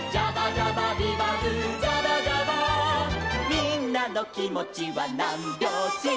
「みんなのきもちはなんびょうし」